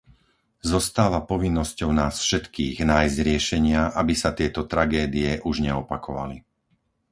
Zostáva povinnosťou nás všetkých nájsť riešenia, aby sa tieto tragédie už neopakovali.